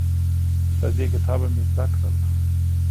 له دې کتابه مې زده کړل